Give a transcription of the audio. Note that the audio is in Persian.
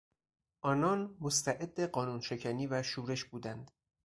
آنان مستعد قانون شکنی و شورش بودند.